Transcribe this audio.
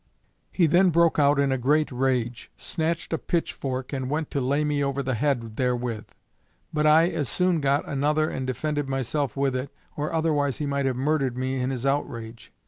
He then broke out in a great rage, snatched a pitchfork and went to lay me over the head therewith; but I as soon got another and defended myself with it, or otherwise he might have murdered me in his outrage.